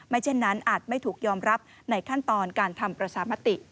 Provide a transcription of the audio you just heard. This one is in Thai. เช่นนั้นอาจไม่ถูกยอมรับในขั้นตอนการทำประชามติ